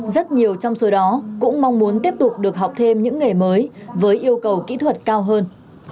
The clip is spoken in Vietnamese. rất nhiều trong số đó cũng mong muốn tiếp tục được học thêm những nghề mới với yêu cầu kỹ thuật cao hơn